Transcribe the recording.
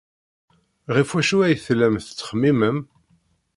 Ɣef wacu ay tellam tettxemmimem?